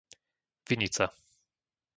Vinica